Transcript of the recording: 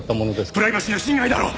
プライバシーの侵害だろう！